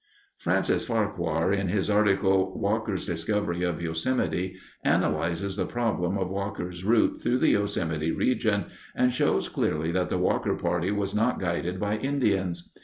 Francis Farquhar, in his article, "Walker's Discovery of Yosemite," analyzes the problem of Walker's route through the Yosemite region and shows clearly that the Walker party was not guided by Indians.